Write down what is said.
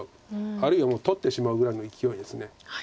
あるいは取ってしまうぐらいのいきおいです。